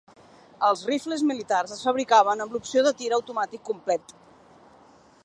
Els rifles militars es fabricaven amb l'opció de tir automàtic complet.